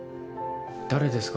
誰ですか？